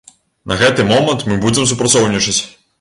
На гэты момант мы будзем супрацоўнічаць.